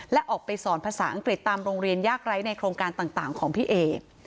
และออกไปสอนภาษาอังกฤษตามโรงเรียนยากไร้ในโครงการต่างของพี่เอก